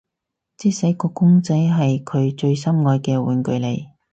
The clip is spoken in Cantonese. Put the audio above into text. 即使個公仔係佢最心愛嘅玩具嚟